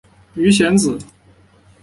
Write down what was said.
鱼显子